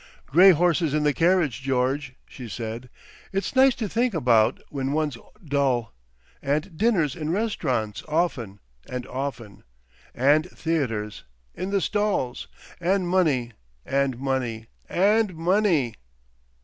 "Grey horses in the carriage, George," she said. "It's nice to think about when one's dull. And dinners in restaurants often and often. And theatres—in the stalls. And money and money and money."